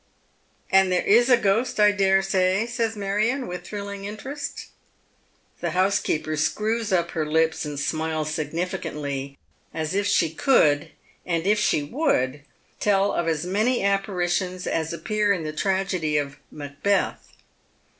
" And there is a ghost, I dare say," says Marion, with thrilling interest. The housekeeper screws up her lips and smiles significantly, as if she could, and if she would, tell of as many appaidtions as appear in the tragedy of " Macbeth."